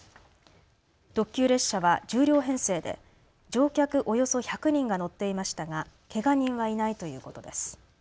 特急列車は１０両編成で乗客およそ１００人が乗っていましたがけが人はいないということです。